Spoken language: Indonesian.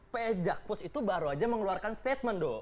pn jakpus itu baru aja mengeluarkan statement do